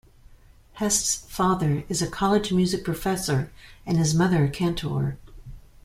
Hest's father is a college music professor and his mother a cantor.